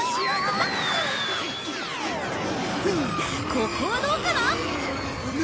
ここはどうかな？